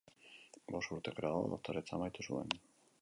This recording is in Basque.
Bost urte geroago doktoretza amaitu zuen.